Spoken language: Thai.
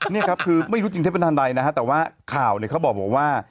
นี่ครับคือไม่รู้จริงเทปทันใดนะฮะแต่ว่าข่าวเนี่ยเขาบอกว่า